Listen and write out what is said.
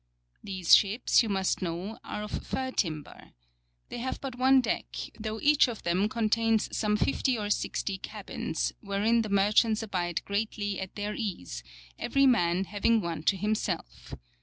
These ships, you must know, are of fir timber.' They have but one deck, though each of them contains some 50 or 60 cabins, wherein the merchants abide greatly at their ease, every man having one to himself.